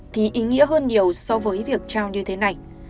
thì ý nghĩa hơn nhiều so với việc trao như thế này